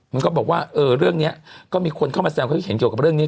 มันก็บอกว่าเออเรื่องเนี้ยก็มีคนเข้ามาแซมเขาเห็นเกี่ยวกับเรื่องนี้